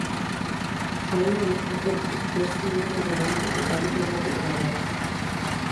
Saio honetako beste une goren bat ekarriko dugu gogora.